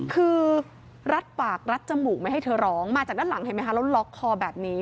คือรัดปากรัดจมูกไม่ให้เธอร้องมาจากด้านหลังเห็นไหมคะแล้วล็อกคอแบบนี้